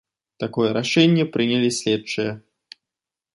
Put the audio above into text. Такое рашэнне прынялі следчыя.